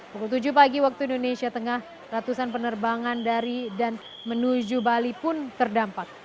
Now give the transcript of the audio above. pukul tujuh pagi waktu indonesia tengah ratusan penerbangan dari dan menuju bali pun terdampak